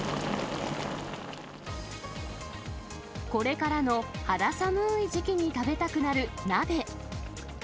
これからの肌寒ーい時期に食べたくなる鍋。